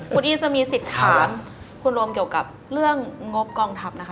คุณอี้จะมีสิทธิ์ถามคุณรวมเกี่ยวกับเรื่องงบกองทัพนะคะ